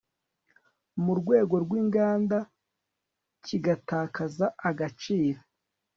mu rwego rw inganda kigatakaza agaciro